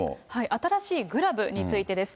新しいグラブについてです。